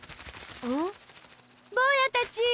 ぼうやたち！